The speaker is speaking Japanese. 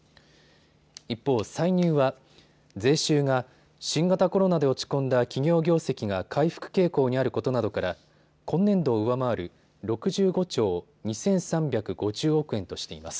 一方、歳入は税収が新型コロナで落ち込んだ企業業績が回復傾向にあることなどから今年度を上回る６５兆２３５０億円としています。